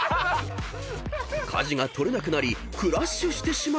［舵が取れなくなりクラッシュしてしまう］